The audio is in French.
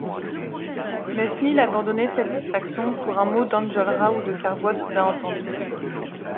Mesnil abandonnait cette distraction pour un mot d'Enjolras ou de Cavrois soudain entendu.